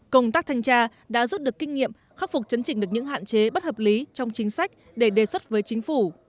công tác thanh tra đã rút được kinh nghiệm khắc phục chấn chỉnh được những hạn chế bất hợp lý trong chính sách để đề xuất với chính phủ